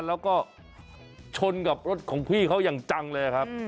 แล้วก็ชนกับรถของพี่เขาอย่างจังเลยครับ